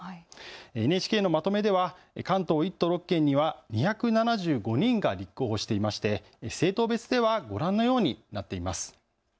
ＮＨＫのまとめでは関東１都６県には２７５人が立候補していまして、政党別ではご覧のようになっています。